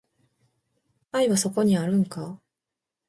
愛はそこにあるんか